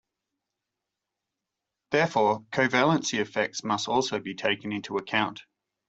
Therefore, covalency effects must also be taken into account.